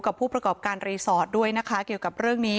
ผู้ประกอบการรีสอร์ทด้วยนะคะเกี่ยวกับเรื่องนี้